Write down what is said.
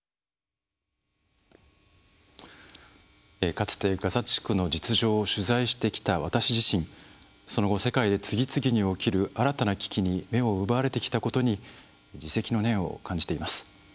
かつてガザ地区の実情を取材してきた私自身その後世界で次々に起きる新たな危機に目を奪われてきたことに自責の念を感じています。